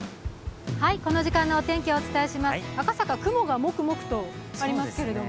この時間のお天気、お伝えします赤坂、雲がもくもくとありますけれども。